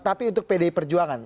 tapi untuk pdi perjuangan